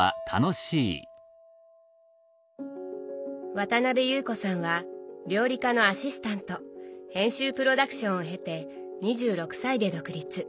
渡辺有子さんは料理家のアシスタント編集プロダクションを経て２６歳で独立。